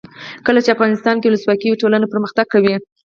کله چې افغانستان کې ولسواکي وي ټولنه پرمختګ کوي.